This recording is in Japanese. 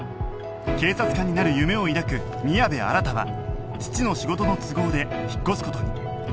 警察官になる夢を抱く宮部新は父の仕事の都合で引っ越す事に